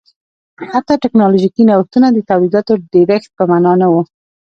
حتی ټکنالوژیکي نوښتونه د تولیداتو ډېرښت په معنا نه و